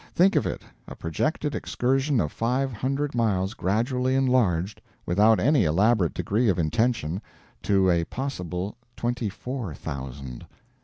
Think of it: a projected excursion of five hundred miles gradually enlarged, without any elaborate degree of intention, to a possible twenty four thousand.